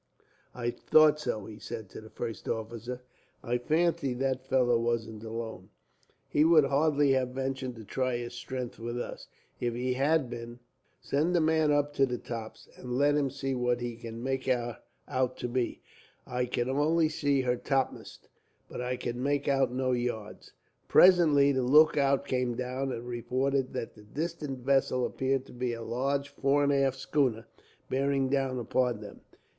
"I thought so," he said to the first officer. "I fancied that fellow wasn't alone. He would hardly have ventured to try his strength with us, if he had been. Send a man up to the tops, and let him see what he can make her out to be. I can only see her topmasts, but I can make out no yards." Presently the lookout came down, and reported that the distant vessel appeared to be a large fore and aft schooner, bearing down upon them.